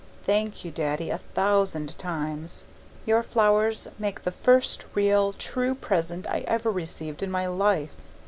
Thank you, Daddy, a thousand times. Your flowers make the first real, true present I ever received in my life.